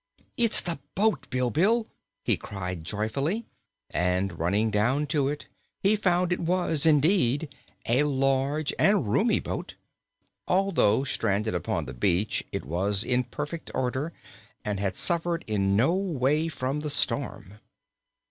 "It is the boat, Bilbil!" he cried joyfully, and running down to it he found it was, indeed, a large and roomy boat. Although stranded upon the beach, it was in perfect order and had suffered in no way from the storm.